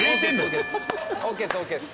ＯＫですＯＫです。